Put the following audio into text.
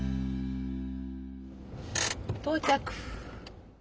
到着！